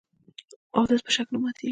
اودس په شک نه ماتېږي .